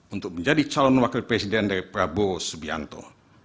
untuk menjadi calon wakil presiden dari prabowo subianto